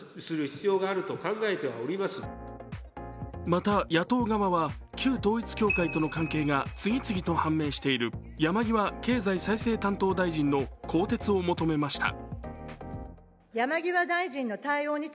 また野党側は、旧統一教会との関係が次々と判明している山際経済再生担当大臣の更迭を求めました。